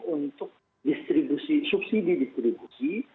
untuk distribusi subsidi distribusi